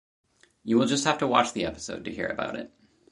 You will just have to watch the episode to hear about it.